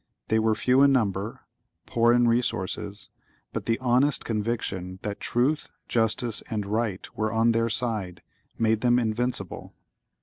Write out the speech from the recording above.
—They were few in number—poor in resources; but the honest conviction that Truth, Justice, and Right were on their side, made them invincible.